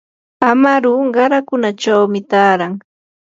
amaru qarakunachawmi taaran.